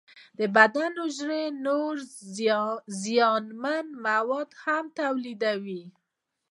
د بدن حجرې نور زیانمن مواد هم تولیدوي.